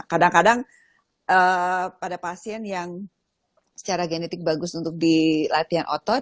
kadang kadang pada pasien yang secara genetik bagus untuk di latihan otot